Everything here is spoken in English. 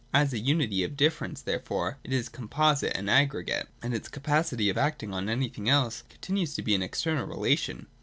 As a unity of differents, therefore, it is a com posite, an aggregate ; and its capacity of acting on any thing else continues to be an external relation.